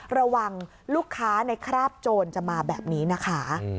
ระวังลูกค้าในคราบโจรจะมาแบบนี้นะคะ